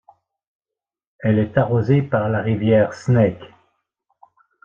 Elle est arrosée par la rivière Snake.